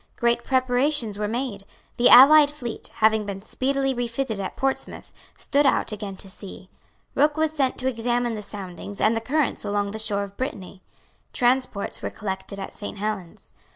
Great preparations were made. The allied fleet, having been speedily refitted at Portsmouth, stood out again to sea. Rooke was sent to examine the soundings and the currents along the shore of Brittany. Transports were collected at Saint Helens.